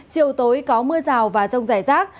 chiều tối có mưa rào và rông rải rác